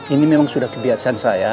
ini memang sudah kebiasaan saya